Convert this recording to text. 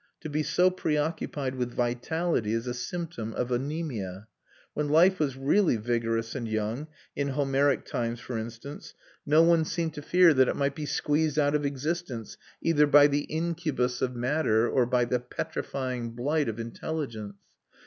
To be so preoccupied with vitality is a symptom of anaemia. When life was really vigorous and young, in Homeric times for instance, no one seemed to fear that it might be squeezed out of existence either by the incubus of matter or by the petrifying blight of intelligence.